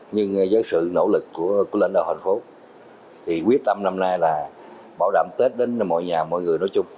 nhưng với sự nỗ lực của lãnh đạo thành phố thì quyết tâm năm nay là bảo đảm tết đến mọi nhà mọi người nói chung